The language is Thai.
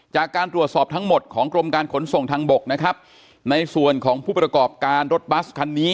จากการตรวจสอบทั้งหมดของกรมการขนส่งทางบกนะครับในส่วนของผู้ประกอบการรถบัสคันนี้